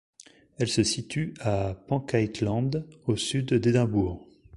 Elle se situe à Pencaitland, au sud d'Édimbourg.